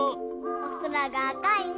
おそらがあかいね。